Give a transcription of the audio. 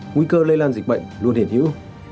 nguy cơ lây lan dịch bệnh luôn hiển hữu